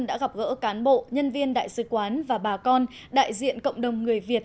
đã gặp gỡ cán bộ nhân viên đại sứ quán và bà con đại diện cộng đồng người việt